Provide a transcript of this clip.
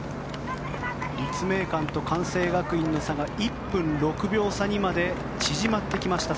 立命館と関西学院の差が１分６秒差にまで縮まってきました。